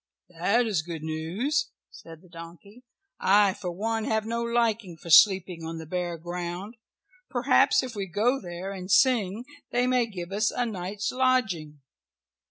"That is good news," said the donkey. "I for one have no liking for sleeping on the bare ground. Perhaps if we go there and sing they may give us a night's lodging."